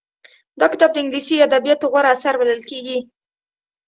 دا کتاب د انګلیسي ادبیاتو غوره اثر بلل کېږي